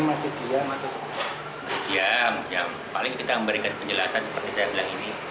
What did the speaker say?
masih diam paling kita memberikan penjelasan seperti saya bilang ini